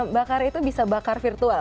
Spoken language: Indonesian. bakar itu bisa bakar virtual